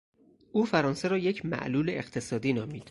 او فرانسه را یک معلول اقتصادی نامید.